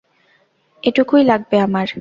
এটুকুই লাগবে আমার।